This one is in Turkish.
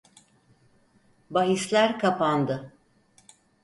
Bahisler kapandı.